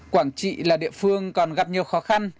quảng trị là địa phương còn gặp nhiều khó khăn